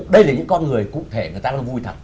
đây là những con người cụ thể người ta vui thật